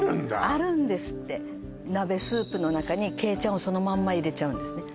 あるんですって鍋スープの中にケイちゃんをそのまま入れちゃうんですね